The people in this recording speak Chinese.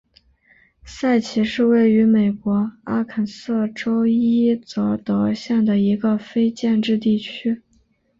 塞奇是位于美国阿肯色州伊泽德县的一个非建制地区。